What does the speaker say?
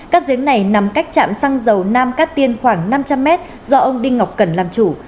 các giếng này nằm cách chạm xăng dầu nam cát tiên khoảng năm trăm linh mét do ông đinh ngọc cẩn làm chủ